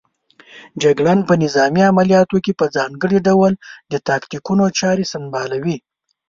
جګړن په نظامي عملیاتو کې په ځانګړي ډول د تاکتیکونو چارې سنبالوي.